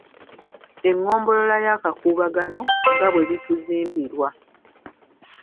Engombolola y’akakuubagano nga bwe bituzimbirwa